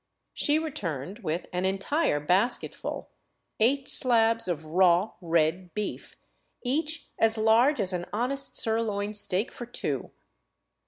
She returned with an entire basketful, — eight slabs of raw, red beef, each as large as an honest sirloin steak " for two."